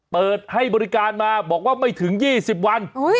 เปิดให้บริการมาบอกว่าไม่ถึง๒๐วัน